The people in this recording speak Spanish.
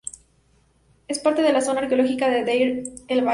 Es parte de la zona arqueológica de Deir el-Bahari.